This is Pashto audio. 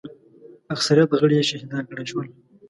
اکثریت غړي یې شهیدان کړای شول.